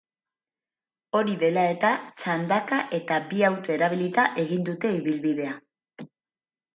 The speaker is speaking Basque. Hori dela eta, txandaka eta bi auto erabilita egin dute ibilbidea.